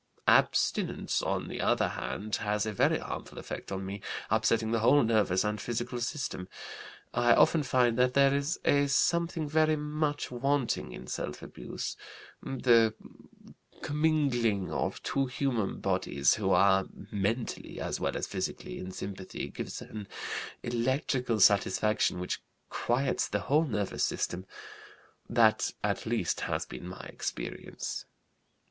Abstinence, on the other hand, has a very harmful effect on me, upsetting the whole nervous and physical system. I often find that there is a something very much wanting in self abuse: the commingling of two human bodies who are mentally as well as physically in sympathy gives an electrical satisfaction which quiets the whole nervous system. That at least has been my experience.